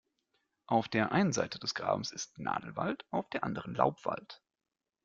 Auf der einen Seite des Grabens ist Nadelwald, auf der anderen Laubwald.